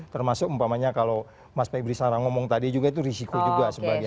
termasuk umpamanya kalau mas pak ibrissara ngomong tadi juga itu risiko juga sebagainya